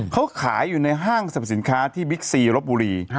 เขาขายอยู่ในห้างสรรพสินค้าที่บิ๊กซีรบบุรี